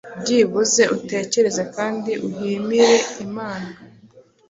byibuze utekereze kandi uhimireimana